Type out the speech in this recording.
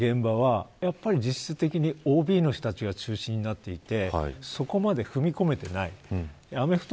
でもスポーツの現場はやっぱり実質的にＯＢの人たちが中心になっていてそこまで踏み込めていない。